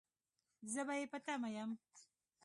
زه به يې په تمه يم